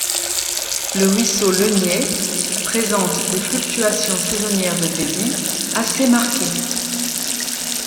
Le ruisseau de l'Eugney présente des fluctuations saisonnières de débit assez marquées.